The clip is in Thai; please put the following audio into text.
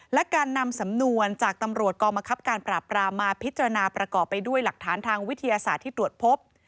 และการนำสำนวนจากตำรวจกองบังคับการปราบรามมาพิจารณาประกอบไปด้วยหลักฐานทางวิทยาศาสตร์ที่ตรวจพบ